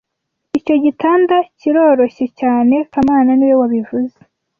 Icyo gitanda kiroroshye cyane kamana niwe wabivuze